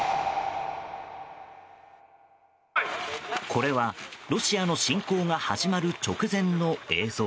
これは、ロシアの侵攻が始まる直前の映像。